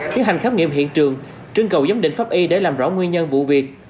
tiến hành khám nghiệm hiện trường trưng cầu giám định pháp y để làm rõ nguyên nhân vụ việc